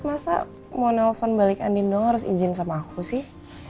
masa mau telfon balik andin dong harus izin sama aku sih